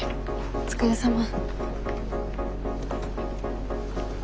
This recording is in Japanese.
お疲れさま。